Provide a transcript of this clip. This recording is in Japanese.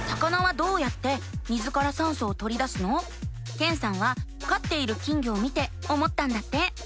けんさんはかっている金魚を見て思ったんだって。